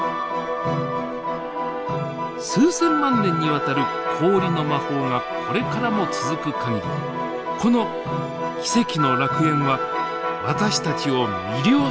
数千万年にわたる氷の魔法がこれからも続く限りこの奇跡の楽園は私たちを魅了し続ける事でしょう。